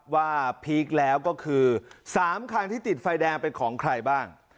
พีคแล้วก็คือ๓คันที่ติดไฟแดงเป็นของใครบ้าง